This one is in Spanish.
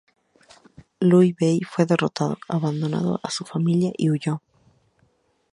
Liu Bei fue derrotado, abandonó a su familia y huyó.